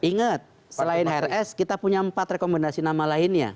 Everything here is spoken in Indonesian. ingat selain rs kita punya empat rekomendasi nama lainnya